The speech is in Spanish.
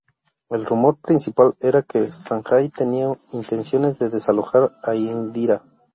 El rumor principal era que Sanjay tenía intenciones de desalojar a Indira.